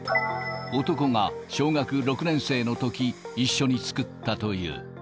男が小学６年生のとき、一緒に作ったという。